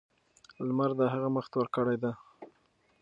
لمر د هغه مخ تور کړی دی.